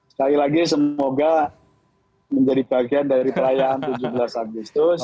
sekali lagi semoga menjadi bagian dari perayaan tujuh belas agustus